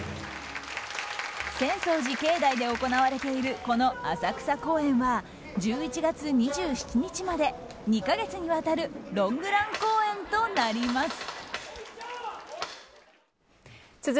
浅草寺境内で行われているこの浅草公演は１１月２７日まで２か月にわたるロングラン公演となります。